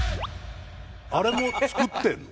あれも作ってるの？